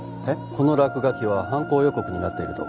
この落書きは犯行予告になっていると？